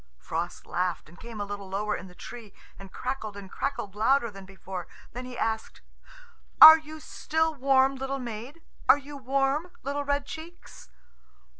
Frost laughed, and came a little lower in the tree and crackled and crackled louder than before. Then he asked, "Are you still warm, little maid? Are you warm, little red cheeks?"